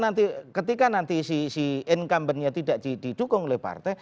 nanti ketika nanti si incumbent nya tidak didukung oleh partai